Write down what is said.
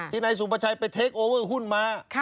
นายสุประชัยไปเทคโอเวอร์หุ้นมา